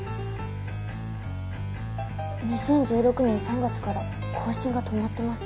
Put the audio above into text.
２０１６年３月から更新が止まってます。